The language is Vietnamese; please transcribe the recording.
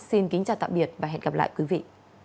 xin kính chào tạm biệt và hẹn gặp lại